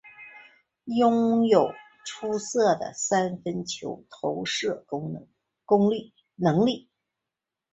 拥有出色的三分球投射能力。